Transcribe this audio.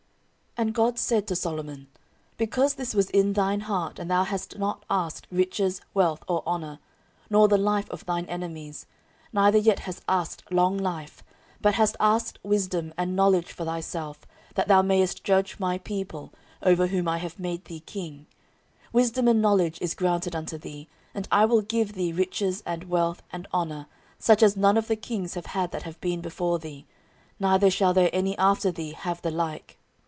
14:001:011 And God said to Solomon, Because this was in thine heart, and thou hast not asked riches, wealth, or honour, nor the life of thine enemies, neither yet hast asked long life; but hast asked wisdom and knowledge for thyself, that thou mayest judge my people, over whom I have made thee king: 14:001:012 Wisdom and knowledge is granted unto thee; and I will give thee riches, and wealth, and honour, such as none of the kings have had that have been before thee, neither shall there any after thee have the like.